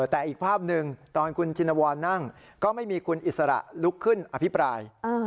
แต่อีกภาพหนึ่งตอนคุณชินวรนั่งก็ไม่มีคุณอิสระลุกขึ้นอภิปราย